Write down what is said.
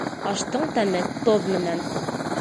Аштың тәме тоҙ менән